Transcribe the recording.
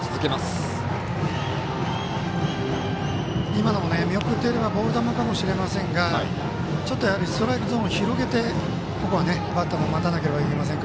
今の見送っていればボール球かもしれませんがストライクゾーンを広げてここはバッター待たなければいけません。